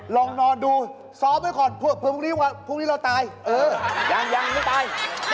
ต้องนอนกายนะเพราะโคลนไปนอนตายสิอ้าวนนอนตาย